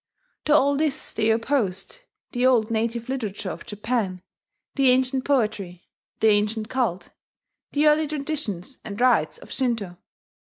To all this they opposed the old native literature of Japan, the ancient poetry, the ancient cult, the early traditions and rites of Shinto.